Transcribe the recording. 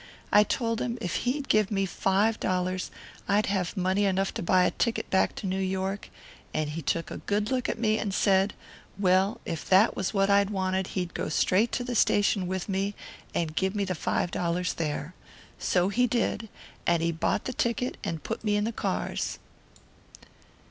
I told him if he'd give me five dollars I'd have money enough to buy a ticket back to New York, and he took a good look at me and said, well, if that was what I wanted he'd go straight to the station with me and give me the five dollars there. So he did and he bought the ticket, and put me in the cars."